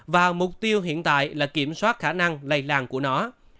và mục tiêu hiện tại là kiểm soát khả năng lây lan của nó